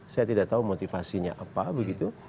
saya tidak tahu motivasinya apa begitu